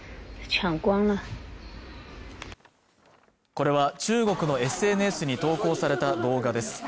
これは中国のＳＮＳに投稿された動画です